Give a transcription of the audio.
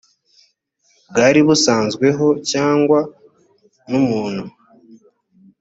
bwari busanzweho cyangwa n umuntu